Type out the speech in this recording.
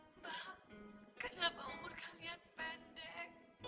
mbak kenapa umur kalian pendek